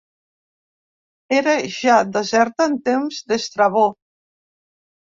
Era ja deserta en temps d'Estrabó.